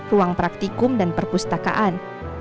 ruang praktikum dan perpustakaan